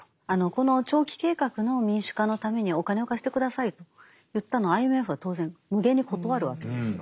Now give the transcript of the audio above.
この長期計画の民主化のためにお金を貸して下さいと言ったのをＩＭＦは当然むげに断るわけですよ。